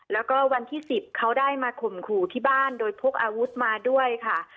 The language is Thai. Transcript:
แล้วก็วันที่๑๐เขาได้มาข่มขู่ที่บ้านโดยพกอาวุธมาด้วยค่ะ